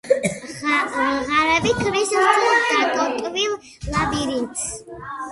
ღარები ქმნის რთულად დატოტვილ ლაბირინთს.